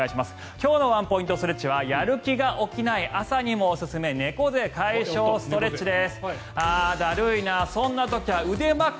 今日のワンポイントストレッチはやる気が起きない朝にもおすすめ猫背解消ストレッチです。